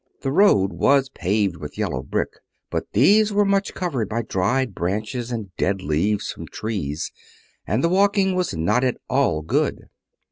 The road was still paved with yellow brick, but these were much covered by dried branches and dead leaves from the trees, and the walking was not at all good.